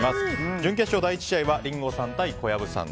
準決勝第１試合はリンゴさん対小籔さん。